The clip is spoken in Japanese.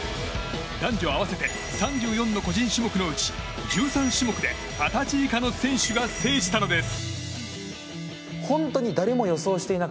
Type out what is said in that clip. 男女合わせて３４の個人種目のうち１３種目で二十歳以下の選手が制したのです。